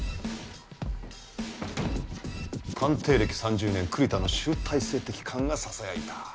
探偵歴３０年栗田の集大成的勘がささやいた。